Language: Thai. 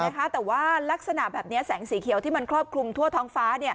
แต่ว่ารักษณะแบบนี้แสงสีเขียวที่มันครอบคลุมทั่วท้องฟ้า